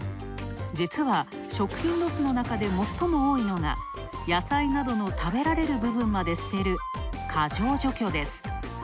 実は、食品ロスのなかで最も多いのが野菜などの食べられる部分まで捨てる過剰除去です。